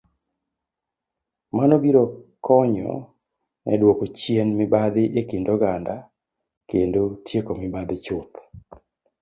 Mano biro konyo e dwoko chien mibadhi e kind oganda, kendo tieko mibadhi chuth.